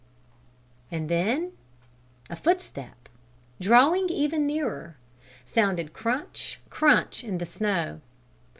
And then a footstep, drawing ever nearer, sounded crunch, crunch, in the snow.